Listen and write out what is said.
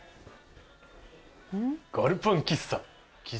ガルパン喫茶。